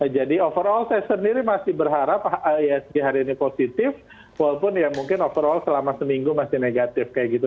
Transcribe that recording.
jadi overall saya sendiri masih berharap isg hari ini positif walaupun ya mungkin overall selama seminggu masih negatif kayak gitu